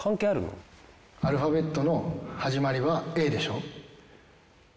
でアルファベットの終わり「Ｙ」でしょ？